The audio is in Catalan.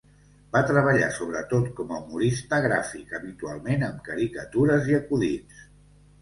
Va treballar sobretot com a humorista gràfic habitualment amb caricatures i acudits.